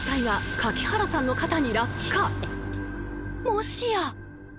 もしや？